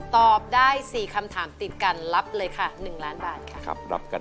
ตอบได้๔คำถามติดกันรับเลยค่ะ๑ล้านบาทค่ะ